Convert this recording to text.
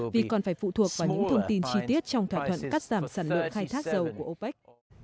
vì còn phải phụ thuộc vào những thông tin chi tiết trong thỏa thuận cắt giảm sản lượng khai thác dầu của opec